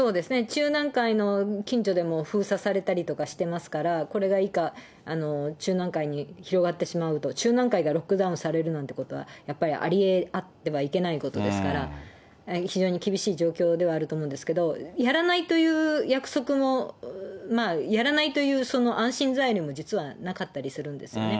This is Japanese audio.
中南海の近所でも封鎖されたりとかしてますから、これがいいか、中南海に広がってしまうと、中南海がロックダウンされるなんてことはやっぱりあってはいけないことですから、非常に厳しい状況ではあると思うんですけど、やらないという約束も、やらないという安心材料も実はなかったりするんですよね。